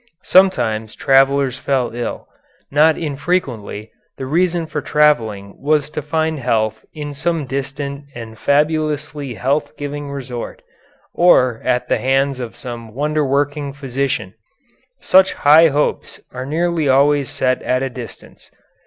Sometimes travellers fell ill. Not infrequently the reason for travelling was to find health in some distant and fabulously health giving resort, or at the hands of some wonder working physician. Such high hopes are nearly always set at a distance.